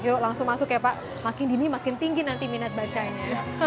yuk langsung masuk ya pak makin dini makin tinggi nanti minat bacanya